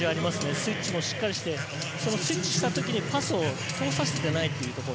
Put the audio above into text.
スイッチもしっかりして、その時にパスを通させていないというところ。